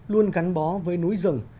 luôn gắn bó với núi rừng